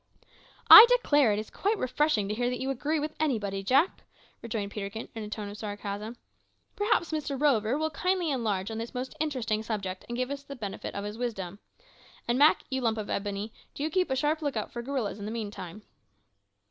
"I declare it is quite refreshing to hear that you `agree' with anybody, Jack," rejoined Peterkin, in a tone of sarcasm. "Perhaps Mr Rover will kindly enlarge on this most interesting subject, and give us the benefit of his wisdom. And, Mak, you lump of ebony, do you keep a sharp lookout for gorillas in the meantime."